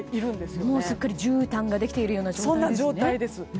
すっかりじゅうたんができているような状態ですね。